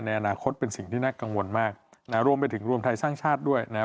ในอนาคตเป็นสิ่งที่น่ากังวลมากนะฮะรวมไปถึงรวมไทยสร้างชาติด้วยนะครับ